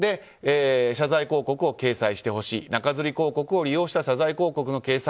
謝罪広告を掲載してほしい中づり広告を利用した謝罪広告の掲載